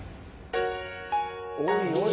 おいおい。